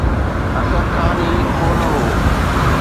اڪر خان ئي ڪو نه هو.